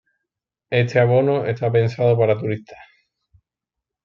Este abono está pensado para turistas.